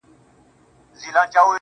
تا ولي په سوالونو کي سوالونه لټوله ,